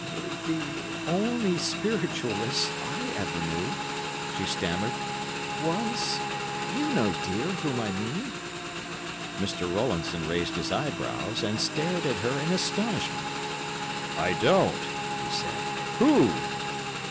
"The only Spiritualist I ever knew," she stammered, "was—you know, dear, whom I mean——" Mr. Rowlandson raised his eyebrows and stared at her in astonishment. "I don't," he said. "Who?"